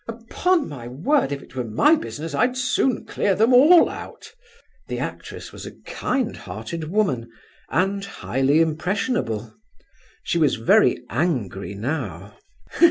Upon my word, if it were my business, I'd soon clear them all out!" The actress was a kind hearted woman, and highly impressionable. She was very angry now.